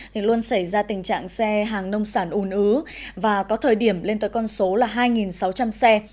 thì luôn xảy ra tình trạng xe hàng nông sản ùn ứ và có thời điểm lên tới con số là hai sáu trăm linh xe